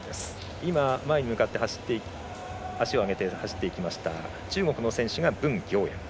今、前に向かって足を上げて走っていったのが中国の選手が文暁燕。